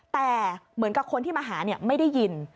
แต่เหมือนกับคนที่มาหาไม่ได้ยิน